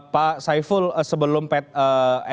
pak saiful sebelum pet se ini